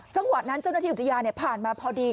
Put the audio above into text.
จังหวะนั้นเจ้าหน้าที่อุทยานผ่านมาพอดี